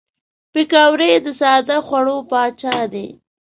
پکورې د ساده خوړو پاچا دي